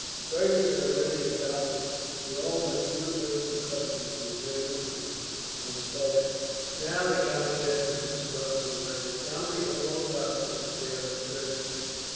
Fergus had already adopted the all but universal custom, in the German army, of smoking. "Now," the count said, when the cigars were lighted, "tell me all about this affair at Dresden."